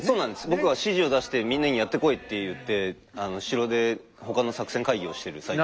僕は指示を出してみんなにやってこいと言って城で他の作戦会議をしてる最中なんで。